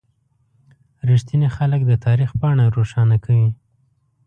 • رښتیني خلک د تاریخ پاڼه روښانه کوي.